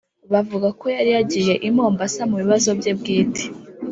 bavuga ko ngo yari yagiye i mombasa mu bibazo bye bwite